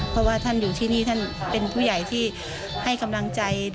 เพราะว่าท่านอยู่ที่นี่ท่านเป็นผู้ใหญ่ที่ให้กำลังใจ